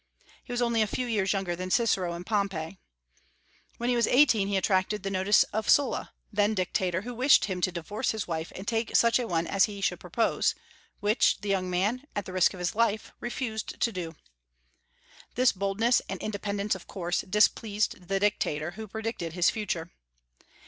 He was only a few years younger than Cicero and Pompey. When he was eighteen he attracted the notice of Sulla, then dictator, who wished him to divorce his wife and take such a one as he should propose, which the young man, at the risk of his life, refused to do. This boldness and independence of course displeased the Dictator, who predicted his future.